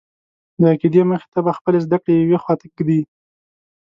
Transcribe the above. د عقیدې مخې ته به خپلې زده کړې یوې خواته ږدې.